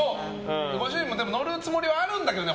ご主人も乗るつもりはあるんだけどね